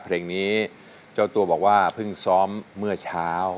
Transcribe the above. เพลงนี้เจ้าตัวบอกว่าเพิ่งซ้อมเมื่อเช้า